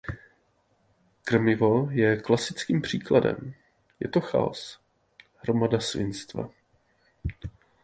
Krmivo je klasickým příkladem; je to chaos, hromada svinstva.